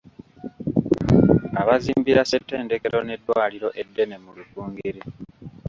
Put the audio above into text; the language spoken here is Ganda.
Abazimbira ssettendekero n'eddwaliro eddene mu Rukungiri.